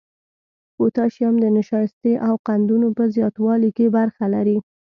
پوتاشیم د نشایستې او قندونو په زیاتوالي کې برخه لري.